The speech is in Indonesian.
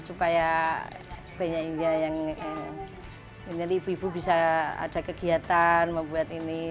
supaya banyak ibu ibu bisa ada kegiatan membuat ini